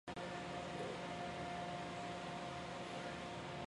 中共川陕省苍溪县委旧址位于四川省广元市苍溪县文昌镇社区居委会内。